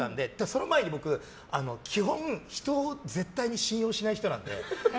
その前に僕、基本人を絶対に信用しない人なので。